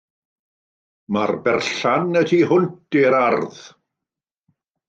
Mae'r berllan y tu hwnt i'r ardd.